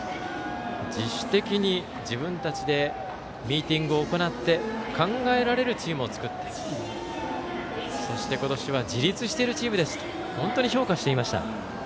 自主的に自分たちでミーティングを行って考えられるチームを作ってそして、今年は自立しているチームですと本当に評価していました。